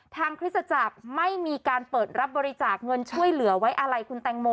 คริสตจักรไม่มีการเปิดรับบริจาคเงินช่วยเหลือไว้อะไรคุณแตงโม